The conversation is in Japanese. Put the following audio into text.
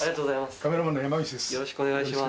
カメラマンの山岸です。